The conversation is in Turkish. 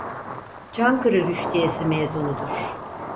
Çankırı Rüştiyesi mezunudur.